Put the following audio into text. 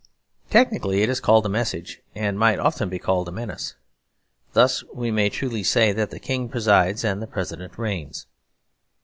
Technically it is called a message; and might often actually be called a menace. Thus we may truly say that the King presides and the President reigns.